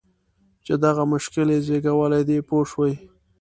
چې دغه مشکل یې زېږولی دی پوه شوې!.